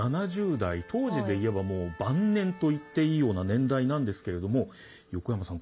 当時で言えばもう晩年と言っていいような年代なんですけれども横山さん